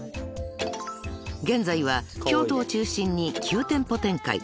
［現在は京都を中心に９店舗展開］